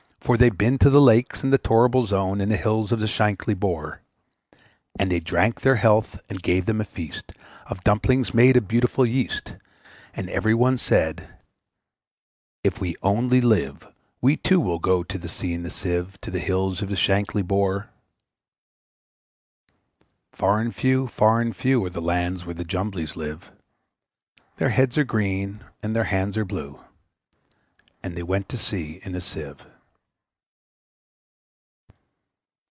For they've been to the Lakes, and the Torrible Zone, And the hills of the Chankly Bore!' And they drank their health, and gave them a feast Of dumplings made of beautiful yeast; And every one said, `If we only live, We too will go to sea in a Sieve, To the hills of the Chankly Bore!' Far and few, far and few, Are the lands where the Jumblies live; Their heads are green, and their hands are blue, And they went to sea in a Sieve.